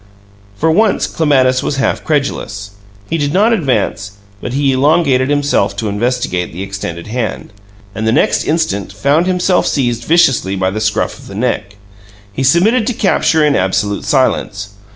For once Clematis was half credulous. He did not advance, but he elongated himself to investigate the extended hand, and the next instant found himself seized viciously by the scruff of the neck. He submitted to capture in absolute silence.